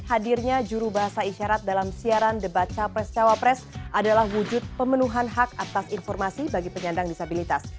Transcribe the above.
hadirnya juru bahasa isyarat dalam siaran debat capres cawapres adalah wujud pemenuhan hak atas informasi bagi penyandang disabilitas